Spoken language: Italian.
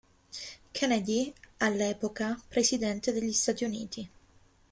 Kennedy, all'epoca presidente degli Stati Uniti.